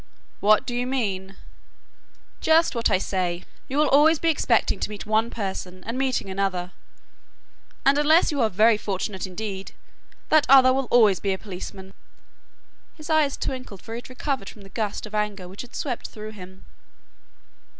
"What do you mean?" "Just what I say. You will always be expecting to meet one person, and meeting another, and unless you are very fortunate indeed, that other will always be a policeman." His eyes twinkled for he had recovered from the gust of anger which had swept through him.